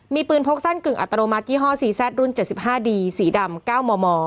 มีปืนพกสั้นกึ่งอัตโนมัติยี่ห้อซีแซตรุ่นเจ็ดสิบห้าดีสีดำเก้ามอมอ